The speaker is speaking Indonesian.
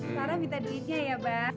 sarah minta duitnya ya abah